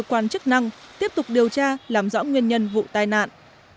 cơ quan chức năng tiếp tục điều tra làm rõ nguyên nhân vụ tai nạn